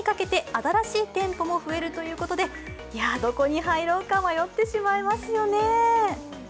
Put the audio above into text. ７月下旬にかけて新しい店舗も増えるということでどこに入ろうか迷ってしまいますよね。